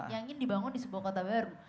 yang ingin dibangun di sebuah kota baru